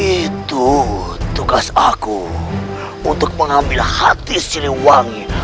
itu tugas aku untuk mengambil hati siri wangi